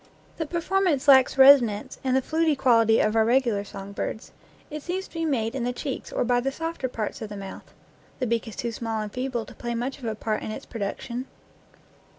The performance lacks resonance and the fluty quality of our regular song birds; it seems to be made in the cheeks or by the softer parts of the mouth. The beak is too small and feeble to play much of a part in its production.